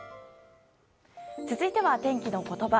続いては天気のことば。